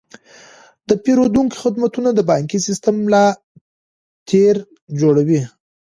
د پیرودونکو خدمتونه د بانکي سیستم ملا تیر جوړوي.